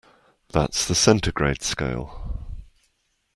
That's the centigrade scale.